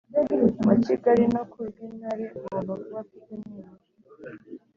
Wa kigali no kurw intara agomba kuba afite nibura